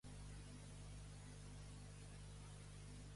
Què va retornar-li a la ment després d'una estona?